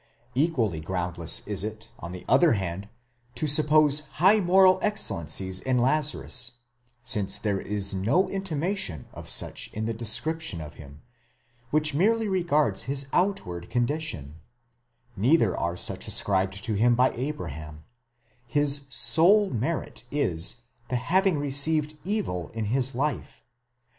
Equally groundless is it, on the other hand, to suppose high moral excellencies in Lazarus, since there is no intimation of such in the description of him, which merely regards his outward condition,—neither are such ascribed to him by Abraham; his sole merit is, the having received evil in this life.